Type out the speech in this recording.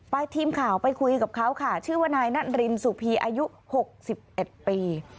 ทีมข่าวไปคุยกับเขาค่ะชื่อว่านายนัทรินสุพีอายุ๖๑ปี